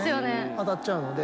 当たっちゃうので。